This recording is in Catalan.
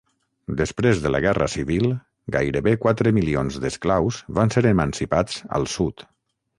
Després de la Guerra Civil, gairebé quatre milions d'esclaus van ser emancipats al sud.